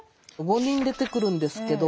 ５人出てくるんですけど